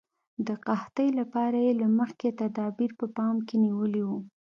د قحطۍ لپاره یې له مخکې تدابیر په پام کې نیولي وو.